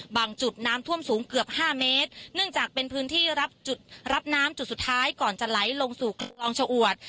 จุดน้ำท่วมสูงเกือบห้าเมตรเนื่องจากเป็นพื้นที่รับจุดรับน้ำจุดสุดท้ายก่อนจะไหลลงสู่คลองชะอวด